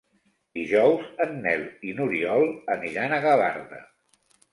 Dijous en Nel i n'Oriol aniran a Gavarda.